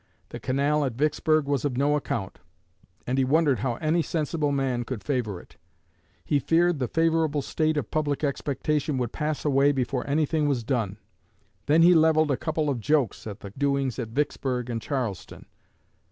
The canal at Vicksburg was of no account, and he wondered how any sensible man could favor it. He feared the favorable state of public expectation would pass away before anything was done. Then he leveled a couple of jokes at the doings at Vicksburg and Charleston."